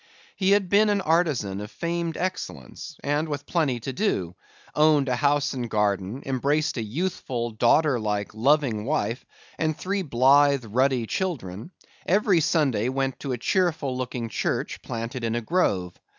He had been an artisan of famed excellence, and with plenty to do; owned a house and garden; embraced a youthful, daughter like, loving wife, and three blithe, ruddy children; every Sunday went to a cheerful looking church, planted in a grove.